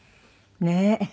ねえ。